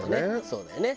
そうよね。